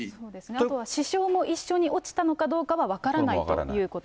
あとは支承も一緒に落ちたのかどうかは分からないということ